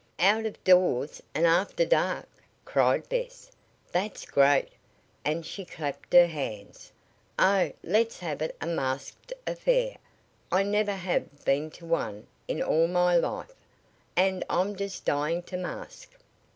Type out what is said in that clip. "Out of doors! And after dark!" cried Bess. "That's great!" and she clapped her hands. "Oh, let's have it a masked affair. I never have been to one in all my life, and I'm just dying to mask!"